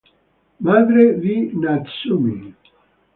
Madre di Natsumi.